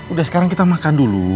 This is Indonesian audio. udah sekarang kita makan dulu